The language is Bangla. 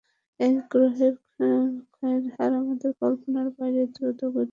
এই গ্রহের ক্ষয়ের হার আমাদের কল্পনার বাইরে দ্রুত গতিতে হচ্ছে।